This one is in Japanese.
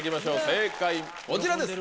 正解こちらです。